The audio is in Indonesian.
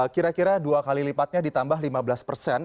kira kira dua kali lipatnya ditambah lima belas persen